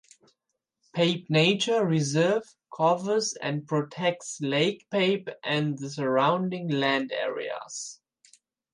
Pape Nature Reserve covers and protects Lake Pape and the surrounding land areas.